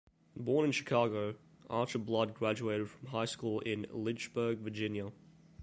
Born in Chicago, Archer Blood graduated from high school in Lynchburg, Virginia.